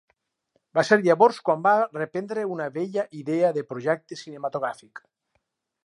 Va ser llavors quan va reprendre una vella idea de projecte cinematogràfic.